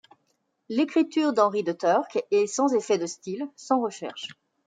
L’écriture d’Henri de Turck est sans effet de style, sans recherche.